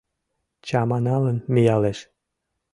Чаманалын миялеш: